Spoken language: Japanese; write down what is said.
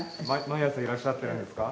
毎朝いらっしゃってるんですか？